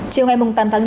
chiều ngày tám tháng chín